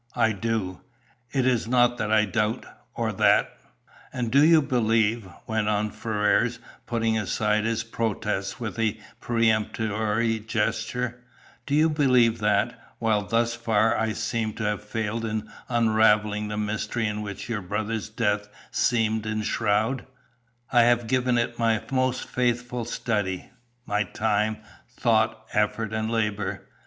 "I do! It is not that I doubt, or that " "And do you believe," went on Ferrars, putting aside his protest with a peremptory gesture: "do you believe that, while thus far I seem to have failed in unravelling the mystery in which your brother's death seems enshrouded, I have given it my most faithful study, my time, thought, effort and labour?